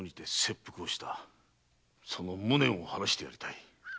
その無念を晴らしてやりたい。